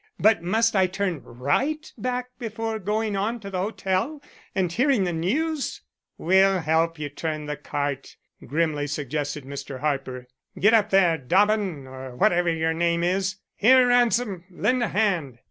But must I turn right back before going on to the hotel and hearing the news?" "We'll help you turn the cart," grimly suggested Mr. Harper. "Get up there, Dobbin, or whatever your name is. Here, Ransom, lend a hand!"